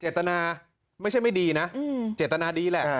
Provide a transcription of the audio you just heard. ตนาไม่ใช่ไม่ดีนะเจตนาดีแหละ